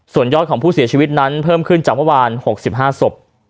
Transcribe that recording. ส่วนยอดของผู้เสียชีวิตนั้นเพิ่มขึ้นจากเมื่อวาน๖๕ศพ